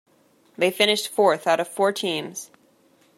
They finished fourth out of four teams.